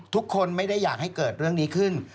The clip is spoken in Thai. ทุกคนไม่ได้อยากให้เกิดเรื่องนี้ขึ้น